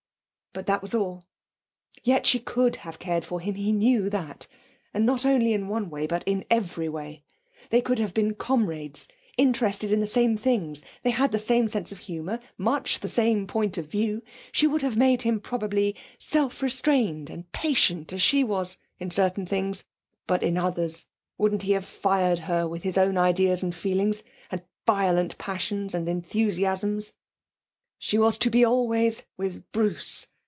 But that was all. Yet she could have cared for him. He knew that. And not only in one way, but in every way. They could have been comrades interested in the same things; they had the same sense of humour, much the same point of view. She would have made him, probably, self restrained and patient as she was, in certain things. But, in others, wouldn't he have fired her with his own ideas and feelings, and violent passions and enthusiasms! She was to be always with Bruce!